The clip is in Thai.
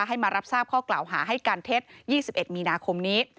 ให้มารับทราบข้อกล่าวหาให้การเท็จ๒๑มีนาคมนี้